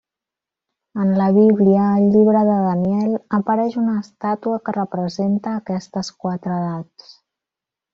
En la Bíblia, al Llibre de Daniel, apareix una estàtua que representa aquestes quatre edats.